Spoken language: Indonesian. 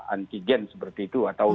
antigen seperti itu atau